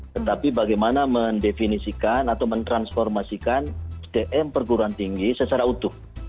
tetapi bagaimana mendefinisikan atau mentransformasikan sdm perguruan tinggi secara utuh